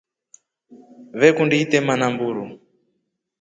Vee kundi itema namburu.